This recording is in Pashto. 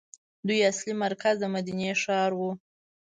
دوی اصلي مرکز د مدینې ښار وو.